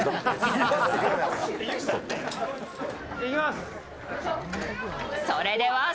いきます。